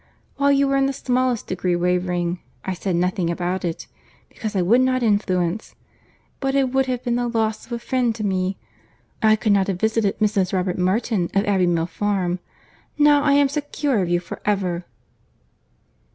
While you were in the smallest degree wavering, I said nothing about it, because I would not influence; but it would have been the loss of a friend to me. I could not have visited Mrs. Robert Martin, of Abbey Mill Farm. Now I am secure of you for ever."